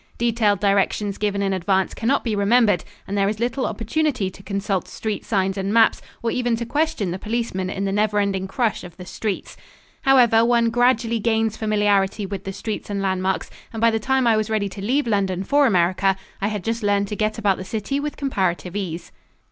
Detailed directions given in advance cannot be remembered and there is little opportunity to consult street signs and maps or even to question the policeman in the never ending crush of the streets. However, one gradually gains familiarity with the streets and landmarks, and by the time I was ready to leave London for America, I had just learned to get about the city with comparative ease.